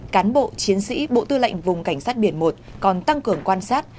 cán bộ chiến sĩ bộ tư lệnh vùng cảnh sát biển một còn tăng cường quan sát